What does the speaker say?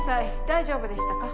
大丈夫でしたか？